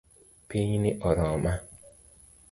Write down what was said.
Pinyni oroma